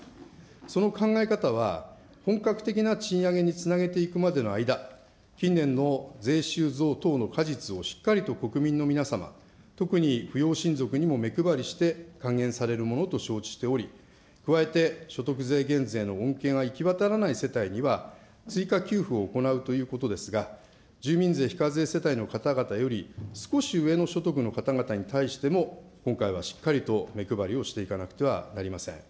その考え方は本格的な賃上げにつなげていくまでの間、近年の税収増との果実をしっかりと国民の皆様、特に扶養親族にも目配りして還元されるものと承知しており、加えて所得税減税の恩恵が行き渡らない世帯には、追加給付を行うということですが、住民税非課税世帯の方々より、少し上の所得の方々に対しても、今回はしっかりと目配りをしていかなくてはなりません。